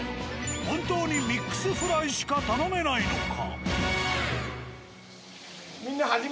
本当にミックスフライしか頼めないのか？